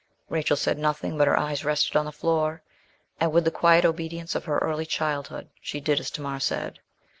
Rachel said nothing, but her eyes rested on the floor, and, with the quiet obedience of her early childhood, she did as Tamar said.